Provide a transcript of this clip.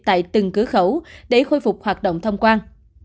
tại từng cửa khẩu để khôi phục hoạt động thông quan